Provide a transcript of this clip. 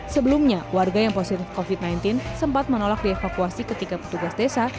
sebelumnya warga yang positif covid sembilan belas sempat menolak dievakuasi ketika petugas desa